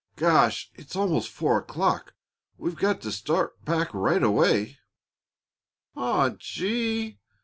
"Gosh! Almost four o'clock. We've got to start back right away." "Aw gee!